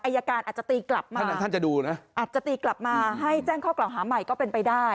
อายการอาจจะตีกลับมาท่านจะดูนะอาจจะตีกลับมาให้แจ้งข้อกล่าวหาใหม่ก็เป็นไปได้